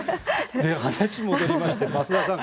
話戻りまして増田さん